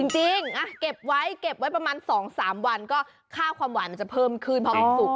เก็บไว้เก็บไว้ประมาณ๒๓วันก็ค่าความหวานมันจะเพิ่มขึ้นเพราะมันสุก